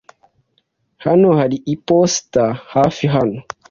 Hano hari iposita hafi hano?